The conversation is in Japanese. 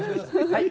はい。